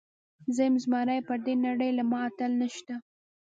زۀ يم زمری پر دې نړۍ له ما اتل نيشته